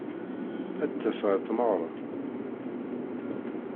Ad d-tas ɣer tmeɣra.